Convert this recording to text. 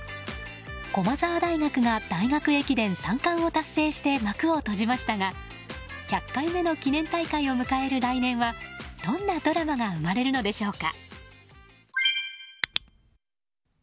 駒澤大学が大学駅伝３冠を達成して幕を閉じましたが１００回目の記念大会を迎える来年はどんなドラマが生まれるのでしょうか。